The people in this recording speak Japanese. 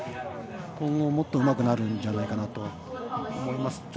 今後、もっとうまくなるんじゃないかなと思います。